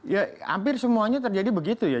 ya hampir semuanya terjadi begitu ya